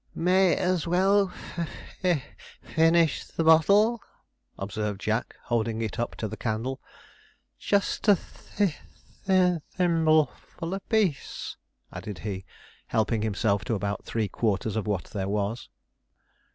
'May as well fi fi fin nish the bottle,' observed Jack, holding it up to the candle. 'Just a thi thi thim bleful apiece,' added he, helping himself to about three quarters of what there was.